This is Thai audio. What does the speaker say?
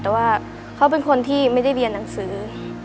แต่ว่าเขาเป็นคนที่ไม่ได้เรียนหนังสือ